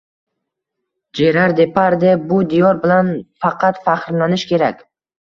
Jerar Deparde: Bu diyor bilan faqat faxrlanish kerak!